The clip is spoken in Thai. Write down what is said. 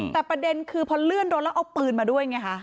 แต่ประเด็นคือพอเลื่อนรถแล้วเอาปืนมาด้วยไงคะ